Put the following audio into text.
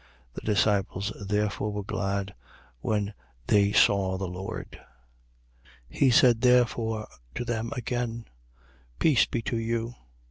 The disciples therefore were glad, when they saw the Lord. 20:21. He said therefore to them again: Peace be to you.